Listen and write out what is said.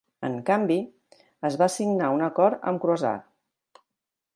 En canvi, es va signar un acord amb Crossair.